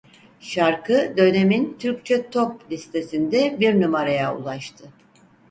Şarkı dönemin "Türkçe Top" listesinde bir numaraya ulaştı.